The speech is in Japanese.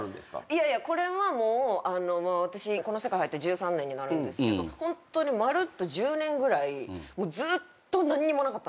いやいやこれはもう私この世界入って１３年になるんですけどホントにまるっと１０年ぐらいずーっと何にもなかったんですよ。